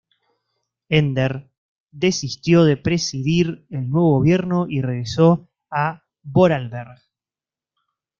Ender desistió de presidir el nuevo Gobierno y regresó a Vorarlberg.